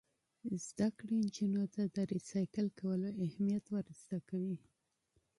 تعلیم نجونو ته د ریسایکل کولو اهمیت ور زده کوي.